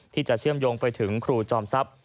ที่จะเชื่อมโยงไปถึงครูจอมทรัพย